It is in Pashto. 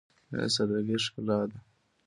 • مینه د سادګۍ ښکلا ده.